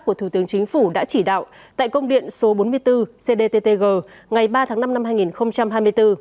của thủ tướng chính phủ đã chỉ đạo tại công điện số bốn mươi bốn cdttg ngày ba tháng năm năm hai nghìn hai mươi bốn